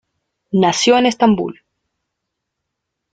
Nació en Estambul.